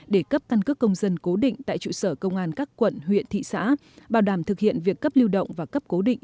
để cấp càn cước công dân cố định tại trụ sở công an các quận huyện thị xã bảo đảm thực hiện việc cấp lưu động và cấp cân cước công dân